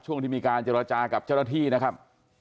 ช่วงที่มีการเจรจากับเจ้าหน้าที่นะครับ